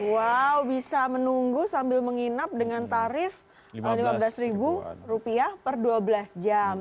wow bisa menunggu sambil menginap dengan tarif rp lima belas rupiah per dua belas jam